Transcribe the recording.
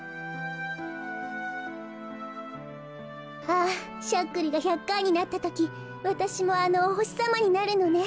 あぁしゃっくりが１００かいになったときわたしもあのおほしさまになるのね。